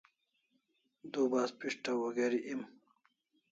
Du bas pishtaw o geri em